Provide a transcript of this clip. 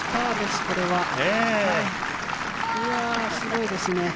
すごいですね。